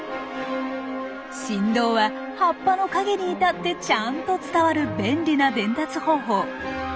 振動は葉っぱの陰にいたってちゃんと伝わる便利な伝達方法。